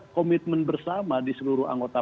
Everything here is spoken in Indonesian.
komitmen bersama di seluruh anggota